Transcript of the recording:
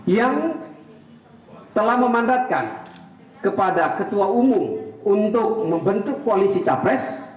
yang telah memandatkan kepada ketua umum untuk membentuk koalisi capres